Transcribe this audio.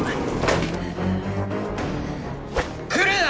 来るな！